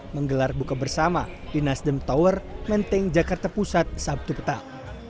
menggelar buka bersama di nasdem tower menteng jakarta pusat sabtu petang